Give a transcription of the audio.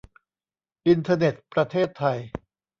อินเทอร์เน็ตประเทศไทย